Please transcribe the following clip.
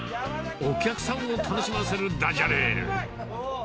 お客さんを楽しませるだじゃれ。